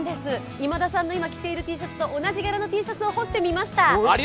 今田さんが今着ているＴシャツと同じ柄のものを干してみました。